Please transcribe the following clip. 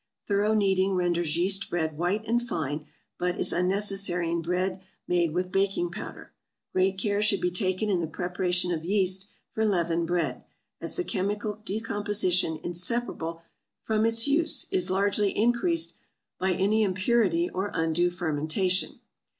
Thorough kneading renders yeast bread white and fine, but is unnecessary in bread made with baking powder. Great care should be taken in the preparation of yeast for leavened bread, as the chemical decomposition inseparable from its use is largely increased by any impurity or undue fermentation.